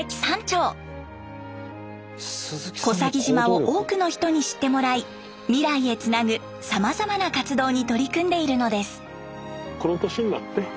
小佐木島を多くの人に知ってもらい未来へつなぐさまざまな活動に取り組んでいるのです。